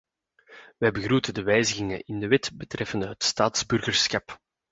Wij begroeten de wijzigingen in de wet betreffende het staatsburgerschap.